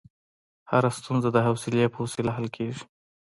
هره ستونزه د حوصلې په وسیله حل کېږي.